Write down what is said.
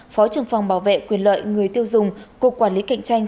phó trưởng phòng bảo vệ quyền lợi người tiêu dùng cục quản lý cạnh tranh